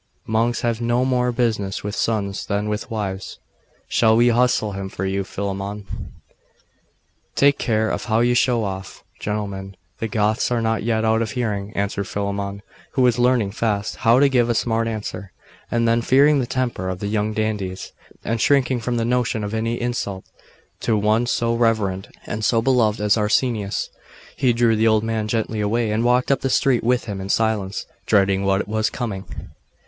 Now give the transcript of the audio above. Monks have no more business with sons than with wives. Shall we hustle him for you, Philammon?' 'Take care how you show off, gentlemen: the Goths are not yet out of hearing!' answered Philammon, who was learning fast how to give a smart answer; and then, fearing the temper of the young dandies, and shrinking from the notion of any insult to one so reverend and so beloved as Arsenius, he drew the old man gently away, and walked up the street with him in silence, dreading what was coming.